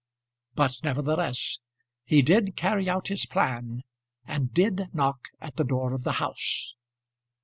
But, nevertheless, he did carry out his plan, and did knock at the door of the house.